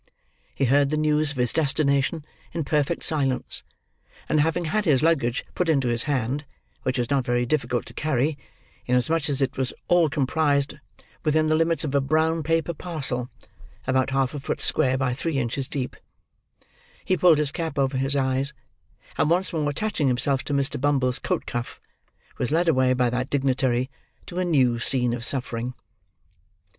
He heard the news of his destination, in perfect silence; and, having had his luggage put into his hand—which was not very difficult to carry, inasmuch as it was all comprised within the limits of a brown paper parcel, about half a foot square by three inches deep—he pulled his cap over his eyes; and once more attaching himself to Mr. Bumble's coat cuff, was led away by that dignitary to a new scene of suffering.